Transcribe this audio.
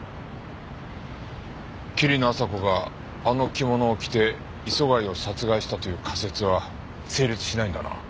桐野朝子があの着物を着て磯貝を殺害したという仮説は成立しないんだな。